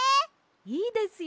いいですよ。